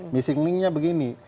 missing linknya begini